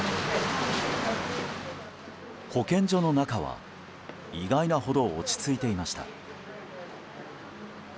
保健所の中は意外なほど落ち着いていました。